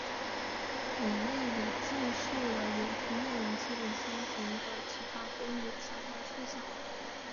本页内也记述了演出内容基本相同的其他公演的相关事项。